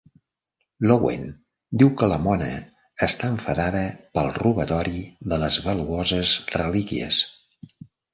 L'Owen diu que la Mona està enfadada pel "robatori" de les valuoses relíquies.